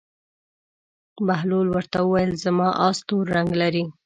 بهلول ورته وویل: زما اس تور رنګ لري.